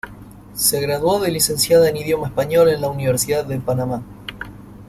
Se graduó de licenciada en idioma español en la Universidad de Panamá.